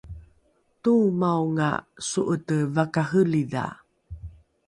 toomaonga so’ete vakarelidha